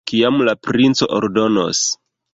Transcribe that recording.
Kiam la princo ordonos.